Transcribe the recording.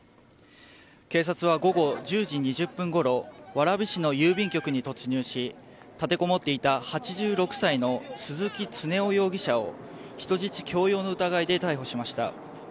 警察は午後１０時２０分ごろ蕨市の郵便局に突入し立て込ん立てこもっていた８６歳の鈴木常雄容疑者を人質強要の疑いで逮捕しました。